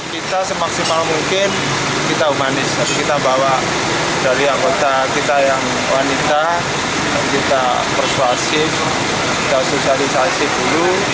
kita semaksimal mungkin kita humanis kita bawa dari anggota kita yang wanita dan kita persuasif kita sosialisasi dulu